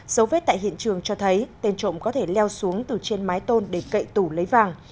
dấu vết tại hiện trường cho thấy tên trộm có thể leo xuống từ trên mái tôn để cậy tủ lấy vàng